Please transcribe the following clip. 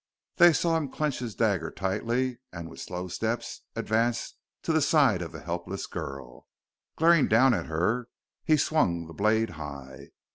They saw him clench his dagger tightly and with slow steps advance to the side of the helpless girl. Glaring down at her, he swung the blade high.